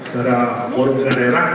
para warung dan daerah